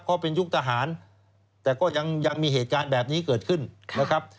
เพราะเป็นยุคทหารแต่ก็ยังมีเหตุการณ์แบบนี้เกิดขึ้นนะครับ